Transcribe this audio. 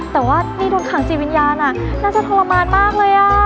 แต่ว่านี่โดนคางชีวิญญาณอะน่าจะโทรมานมากเลย่า